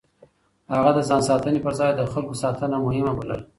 هغه د ځان ساتنې پر ځای د خلکو ساتنه مهمه بلله.